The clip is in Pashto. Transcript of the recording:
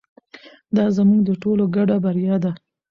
دا زموږ د ټولو ګډه بریا ده.